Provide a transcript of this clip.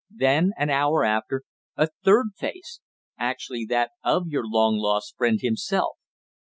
Then, an hour after, a third face actually that of your long lost friend himself.